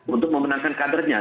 untuk memenangkan kadernya